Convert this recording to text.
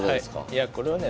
いやこれはね